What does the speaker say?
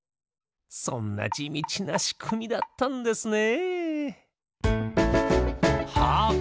そんなじみちなしくみだったんですね。